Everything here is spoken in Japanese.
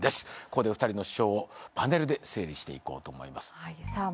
ここで２人の主張をパネルで整理していこうと思いますさあ